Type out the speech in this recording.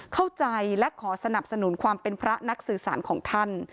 เข้าใจและขอสนับสนุนความเป็นพระนักสื่อสารของท่าน